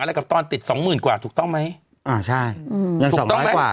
อะไรกับตอนติดสองหมื่นกว่าถูกต้องไหมอ่าใช่อืมถูกต้องไหม